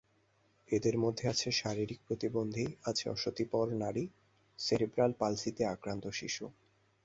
এদের মধ্যে আছে শারীরিক প্রতিবন্ধী, আছে অশীতিপর নারী, সেরেব্রাল পালসিতে আক্রান্ত শিশু।